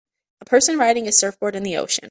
A person riding a surfboard in the ocean